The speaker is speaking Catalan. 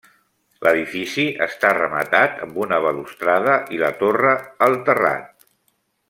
L'edifici està rematat amb una balustrada i la torre al terrat.